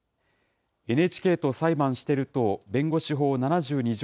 ＮＨＫと裁判してる党弁護士法７２条